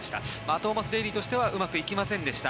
トーマス・デーリーとしてはうまくいきませんでした。